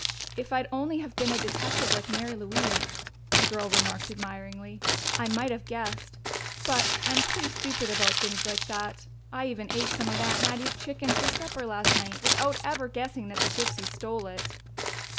"If I'd only have been a detective like Mary Louise," the girl remarked admiringly, "I might have guessed. But I'm pretty stupid about things like that. I even ate some of Aunt Mattie's chicken for my supper last night without ever guessing that the gypsies stole it."